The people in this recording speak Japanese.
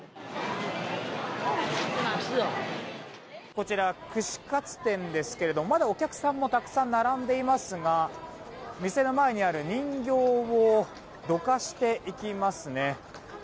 こちら串カツ店ですけれどもまだお客さんもたくさん並んでいますが店の前にある人形をどかしていきますね。